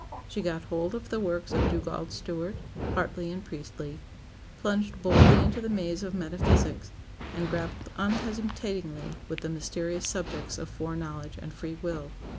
She got hold of the works of Dugald Stewart, Hartley, and Priestley; plunged boldly into the maze of metaphysics, and grappled unhesitatingly with the mysterious subjects of fore knowledge and free will.